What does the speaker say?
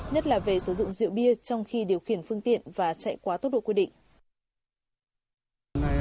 nhất là về sử dụng rượu bia trong khi điều khiển phương tiện và chạy quá tốc độ quy định